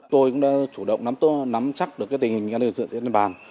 tôi cũng đã chủ động nắm chắc được tình hình an ninh trật tự trên địa bàn